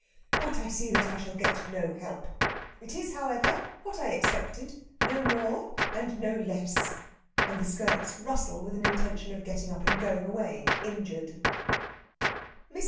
But I see that I shall get no help. It is, however, what I expected no more and no less." And the skirts rustle with an intention of getting up and going away injured. Mrs.